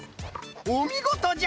おみごとじゃ！